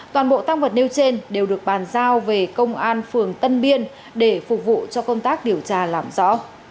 toàn bộ tăng vật nêu trên đều được bàn giao về công an phường tân biên để phục vụ cho công tác điều tra làm rõ